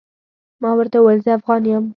ما ورته وويل زه افغان يم.